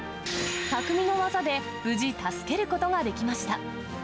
たくみの技で無事、助けることができました。